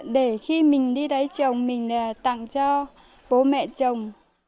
để khi mình đi đáy chồng mình tặng cho bố mẹ chồng